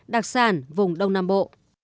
đặc sản vùng đông nam bộ